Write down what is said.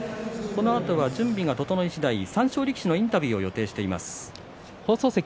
このあと準備が整い次第三賞力士のインタビューを予定しています。